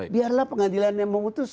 biarlah pengadilan yang memutuskan